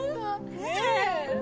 ねえ